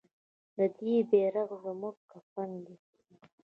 د دې بیرغ زموږ کفن دی